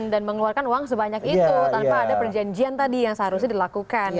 dan mengeluarkan uang sebanyak itu tanpa ada perjanjian tadi yang seharusnya dilakukan